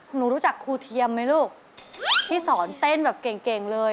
หนูรู้จักครูเทียมไหมลูกที่สอนเต้นแบบเก่งเก่งเลย